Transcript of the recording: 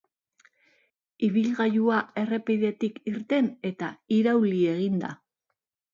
Ibilgailua errepidetik irten eta irauli egin da.